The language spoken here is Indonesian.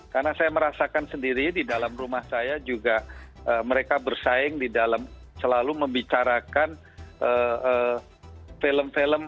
karena saya merasakan sendiri di dalam rumah saya juga mereka bersaing di dalam selalu membicarakan film film